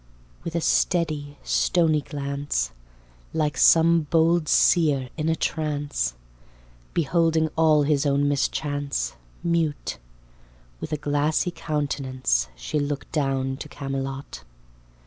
With a steady, stony glance— Like some bold seer in a trance, Beholding all his own mischance, Mute, with a glassy countenance— She looked down to Camelot.